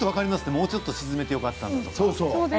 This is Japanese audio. もうちょっと沈めればよかったとか。